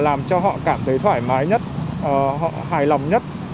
làm cho họ cảm thấy thoải mái nhất họ hài lòng nhất